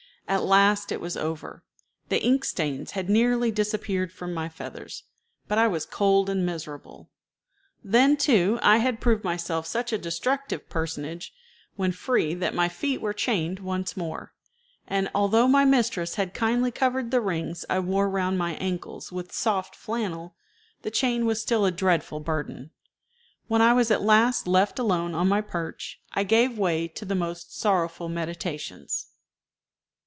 At last it was over. The ink stains had nearly disappeared from my feathers, but I was cold and miserable. Then, too, I had proved myself such a destructive personage when free that my feet were chained once more; and although my mistress had kindly covered the rings I wore round my ankles with soft flannel, the chain was still a dreadful burden. When I was at last left alone on my perch, I gave way to the most sorrowful meditations.